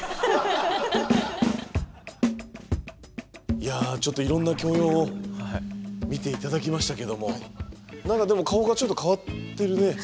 いやちょっといろんな教養を見ていただきましたけども何かでも顔がちょっと変わってるね少し。